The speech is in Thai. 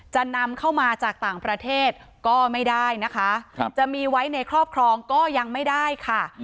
จะนำเข้ามาจากต่างประเทศก็ไม่ได้นะคะจะมีไว้ในครอบครองก็ยังไม่ได้ค่ะ